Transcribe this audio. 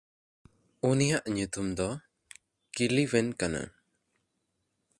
ᱩᱱᱤᱭᱟᱜ ᱧᱩᱛᱩᱢ ᱫᱚ ᱠᱤᱞᱤᱣᱮᱱ ᱠᱟᱱᱟ᱾